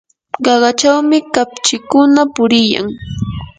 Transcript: qaqachawmi kapchikuna puriyan.